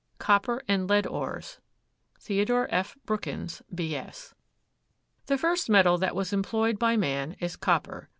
COPPER AND LEAD ORES. THEO. F. BROOKINS, B. S. The first metal that was employed by man is copper.